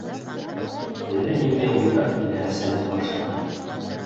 Әллә ниндәй уйҙар килде әсәнең башына.